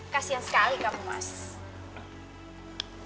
kasian sekali kamu mas